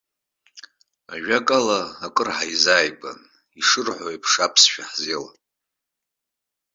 Ажәакала, акыр ҳаизааигәан, ишырҳәо еиԥш, аԥсшәа ҳзеилан.